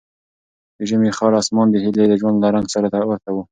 د ژمي خړ اسمان د هیلې د ژوند له رنګ سره ورته و.